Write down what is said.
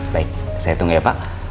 baik saya tunggu ya pak